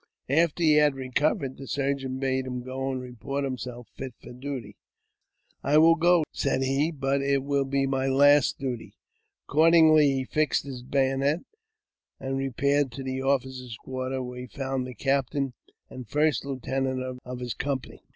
After he had recovered, the surgeon bade him go and report himself fit for duty. " I will go," said he, " but it will be my last duty." Accordingly, he fixed his bayonet and repaired to the officers' Kjuarters, where he found the captain and first lieutenant of his company.